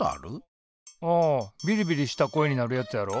ああびりびりした声になるやつやろ。